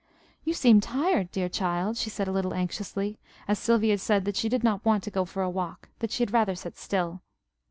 "You seem tired, dear child," she said a little anxiously, as Sylvia said that she did not want to go to walk; that she had rather sit still.